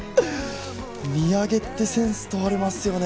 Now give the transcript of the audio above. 土産ってセンス問われますよね